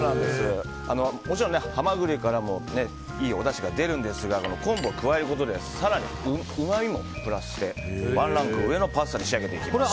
もちろんハマグリからもいいおだしが出るんですが昆布を加えることで更にうまみもプラスしてワンランク上のパスタに仕上げていきます。